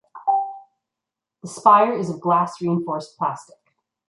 The spire is of glass reinforced plastic.